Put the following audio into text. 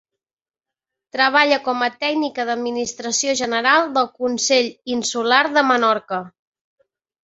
Treballa com a tècnica d'Administració General del Consell Insular de Menorca.